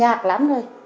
học lắm rồi